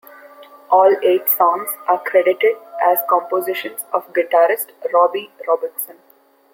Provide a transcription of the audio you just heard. All eight songs are credited as compositions of guitarist Robbie Robertson.